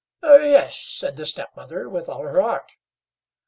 "Yes!" said the step mother, with all her heart.